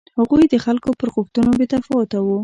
هغوی د خلکو پر غوښتنو بې تفاوته و.